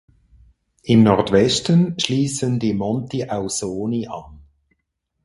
Im Nordwesten schließen die Monti Ausoni an.